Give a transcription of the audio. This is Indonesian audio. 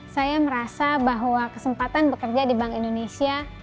saya merasa bahwa kesempatan bekerja di bank indonesia